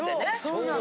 そうなの。